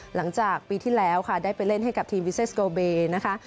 หลังจากปีที่แล้วค่ะได้ไปเล่นให้กับทีมวิเซสโกเบนะคะ